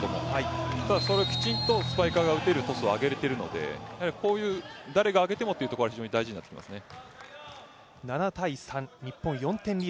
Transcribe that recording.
ただそれをきちんとスパイカーが打てるトスを上げられているのでこういう誰が上げてもというところが非常に大事になってきますね。